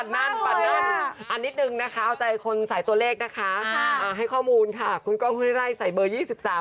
ไม่เป็นไรครับรักกันอยู่แล้ว